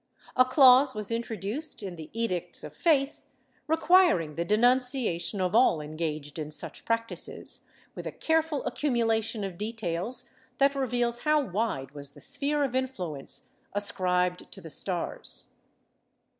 ^ A clause was intro duced, in the Edicts of Faith, requiring the denunciation of all engaged in such practices, with a careful accumulation of details that reveals how wide was the sphere of influence ascribed to the stars.